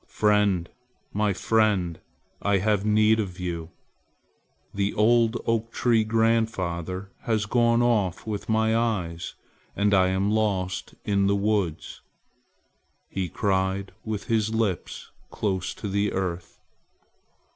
"Friend, my friend, I have need of you! The old oak tree grandfather has gone off with my eyes and I am lost in the woods!" he cried with his lips close to the earth.